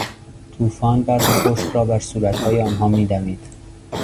توفان، برف خشک را بر صورتهای آنها میدمید.